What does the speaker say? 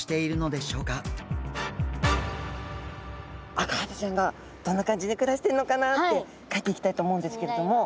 アカハタちゃんがどんな感じで暮らしているのかなって描いていきたいと思うんですけれども。